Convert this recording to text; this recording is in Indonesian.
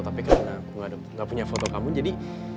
tapi karena aku gak punya foto kamu jadi